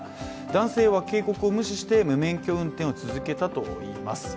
男性は警告を無視して無免許運転を続けたといいます。